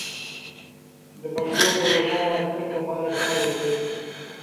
د پښتو د روښانه راتلونکي لپاره کار وکړئ.